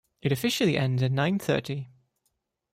It officially ends at nine thirty.